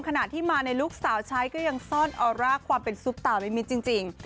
ขณะที่มาในลูกสาวใช้ก็ยังซ่อนออร่าความเป็นซุปตาวิมิตจริง